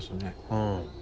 うん。